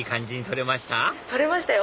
撮れましたよ！